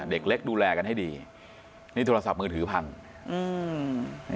เด็กเล็กดูแลกันให้ดีนี่โทรศัพท์มือถือพังอืม